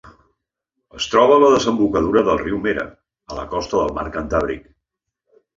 Es troba a la desembocadura del riu Mera, a la costa del mar Cantàbric.